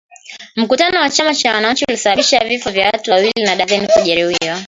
Mkutano wa chama cha wananchi ulisababisha vifo vya watu wawili na dazeni kujeruhiwa